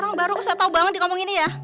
orang baru kesal tau banget dikomongin ini ya